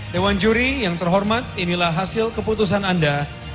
dewan juri yang terhormat inilah hasil keputusan anda